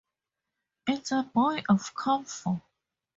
It’s a boy I’ve come for.